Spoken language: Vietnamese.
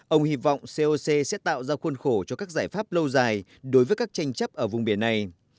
ông hy vọng coc sẽ tạo ra khuôn khổ cho các giải pháp lâu dài đối với các tranh chấp ở vùng biển này